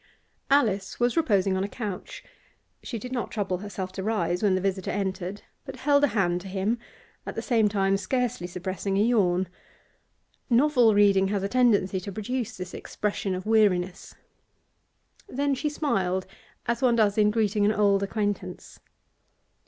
Alice was reposing on a couch; she did not trouble herself to rise when the visitor entered, but held a hand to him, at the same time scarcely suppressing a yawn. Novel reading has a tendency to produce this expression of weariness. Then she smiled, as one does in greeting an old acquaintance.